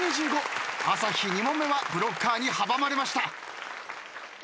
朝日２問目はブロッカーに阻まれました。